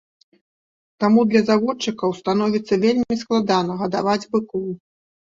Таму для заводчыкаў становіцца вельмі складана гадаваць быкоў.